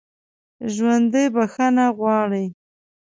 ژوندي بخښنه غواړي